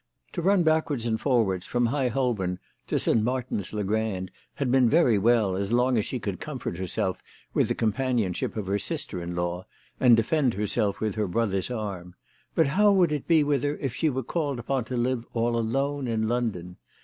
To run backwards and forwards from High Holborn to St. Martin's le Grand had been very well as long as she could comfort herself with the companionship of her sister in law and defend herself with her brother's arm ; but how would it be with her if she were called upon to live all alone in London